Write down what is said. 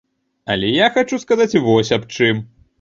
Але я хачу сказаць вось аб чым.